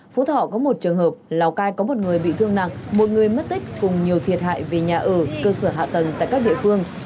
phú thọ có một trường hợp lào cai có một người bị thương nặng một người mất tích cùng nhiều thiệt hại về nhà ở cơ sở hạ tầng tại các địa phương